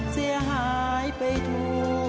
เสียหายไปทั่ว